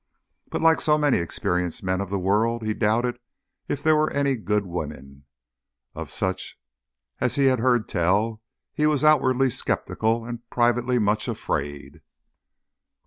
But like so many experienced men of the world, he doubted if there were any good women. Of such as he had heard tell he was outwardly sceptical and privately much afraid.